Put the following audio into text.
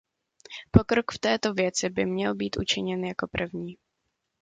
Pokrok v této věci by měl být učiněn jako první.